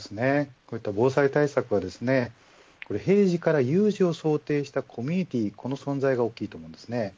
こういった防災対策は平時から有事を想定したコミュニティー、この存在が大きいと思います。